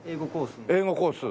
英語コース。